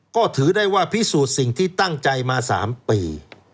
ก็ถือได้ว่าพิสูจน์สิ่งที่ตั้งใจมา๓ปี